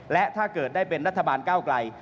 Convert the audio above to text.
และถ้าเกิดได้เป็นรัฐบาลก้าวไกล